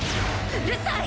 うるさい！